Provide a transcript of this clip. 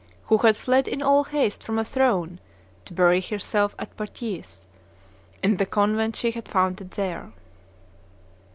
who had fled in all haste from a throne, to bury herself at Poitiers, in the convent she had founded there.